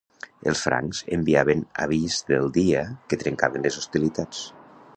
Els francs enviaven avís del dia que trencaven les hostilitats.